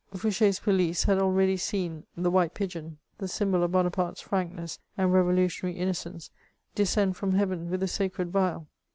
Fouch6*s police had already seen the white pigeon, the symbol of Bonaparte's frankness and revolutionary innocence, descend from heaven with the sacred vial.